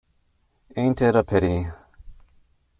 Ain't it a pity?